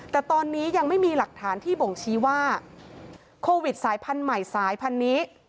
แต่ตอนนี้ยังไม่มีหลักฐานที่บ่งชี้ว่าโควิดสายพันธุ์ใหม่สายพันธุ์นี้